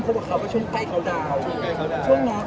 ไปกับตัวหนึ่ง